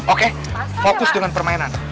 oke fokus dengan permainan